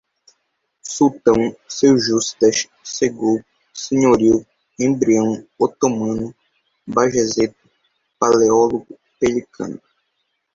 Sultão, seljúcidas, Sogut, senhorio, embrião, otomano, Bajazeto, Paleólogo, Pelecano